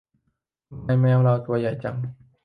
ทำไมแมวเราตัวใหญ่จัง